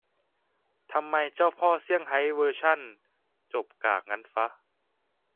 ทำไมเจ้าพ่อเซี่ยงไฮ้เวอร์ขั่น จบกากงั้นฟะ